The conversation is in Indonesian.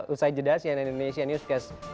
usai jeda cnn indonesia newscast